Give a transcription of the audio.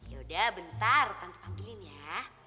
yaudah bentar tanpa panggilin ya